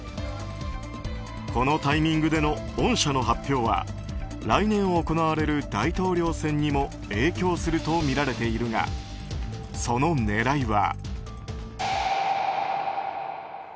このタイミングでの恩赦の発表は来年行われる大統領選にも影響するとみられているがその狙いは。